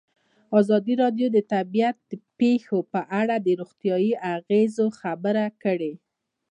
ازادي راډیو د طبیعي پېښې په اړه د روغتیایي اغېزو خبره کړې.